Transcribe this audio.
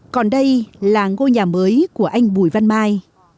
còn đây là ngôi nhà mới của anh bùi văn mai